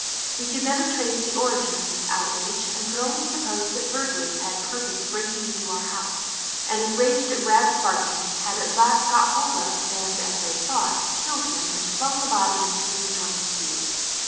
We could never trace the origin of this outrage, and could only suppose that burglars had purposed breaking into our house, and, enraged at Rab's barking, had at last got hold of, and, as they thought, killed him, and flung the body into an adjoining field.